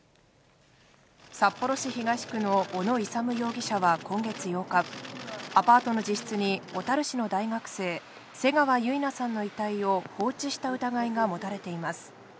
札幌市東区の小野勇容疑者は今月８日、アパートの自室に小樽市の大学生、瀬川結菜さんの遺体を放置した疑いが持たれています。